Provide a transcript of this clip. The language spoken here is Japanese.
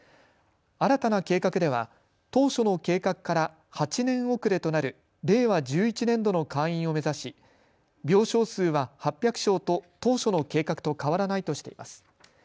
新たな計画では当初の計画から８年遅れとなる令和１１年度の開院を目指し病床数は８００床と当初の計画と変わらないとしています。